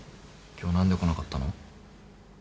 今日何で来なかったの？